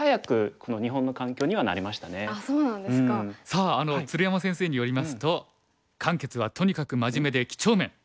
さあ鶴山先生によりますと「漢傑はとにかく真面目で几帳面。